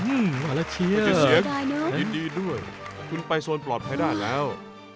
เฮอร์จินเสียงยินดีด้วยคุณไปโซนปลอดภัยได้แล้ว